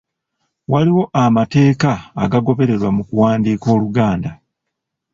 Waliwo amateeka agagobererwa mu kuwandiika Oluganda.